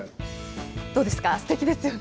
どうですか、すてきですよね。